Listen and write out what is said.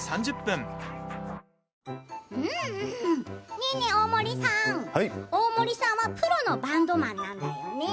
ねえねえ、大森さんはプロのバンドマンなんだよね。